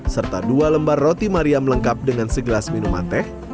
serta dua lembar roti mariam lengkap dengan segelas minuman teh